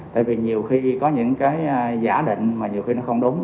tại vì nhiều khi có những cái giả định mà nhiều khi nó không đúng